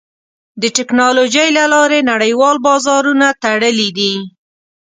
د ټکنالوجۍ له لارې نړیوال بازارونه تړلي دي.